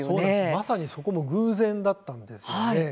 はいまさにそこも偶然だったんです。